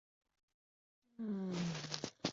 多斑杜鹃为杜鹃花科杜鹃属下的一个种。